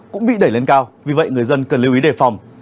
cũng bị đẩy lên cao vì vậy người dân cần lưu ý đề phòng